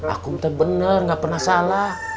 aku bener gak pernah salah